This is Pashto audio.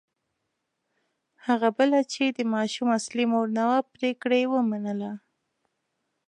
هغه بله چې د ماشوم اصلي مور نه وه پرېکړه یې ومنله.